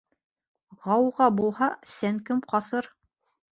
Ғауға булһа, Сәнкем ҡасыр.